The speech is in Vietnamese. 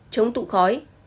chống tụ khói